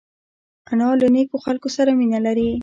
انا له نیکو خلکو سره مینه لري